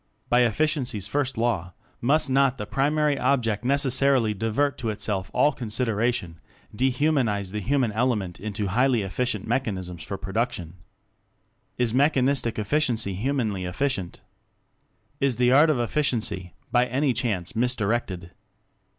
By Efficiency's first law, must not the primary object necessarily divert to itself all consideration de human ize the Human Element into highly efficient mechanisms for production? Is mechanistic efficiency Humanly efficient? Is the Art of Efficiency, by any chance, mis directed?